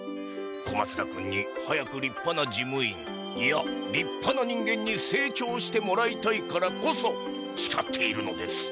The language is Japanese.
小松田君に早くりっぱな事務員いやりっぱな人間に成長してもらいたいからこそしかっているのです。